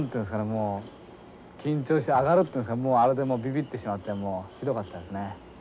もう緊張してあがるっていうんですかもうあれでビビってしまってもうひどかったですね。